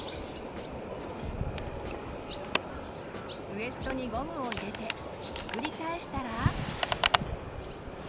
ウエストにゴムを入れてひっくり返したら。